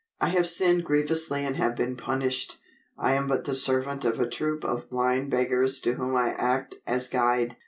"I have sinned grievously and have been punished. I am but the servant of a troop of blind beggars to whom I act as guide."